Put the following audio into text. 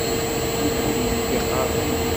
Yella win i d-iɣaṛen.